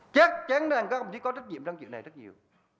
chắc chắn là các ông chỉ có trách nhiệm trong chuyện này rất nhiều